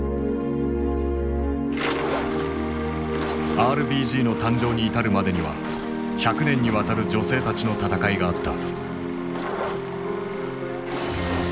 ＲＢＧの誕生に至るまでには百年にわたる女性たちの闘いがあった。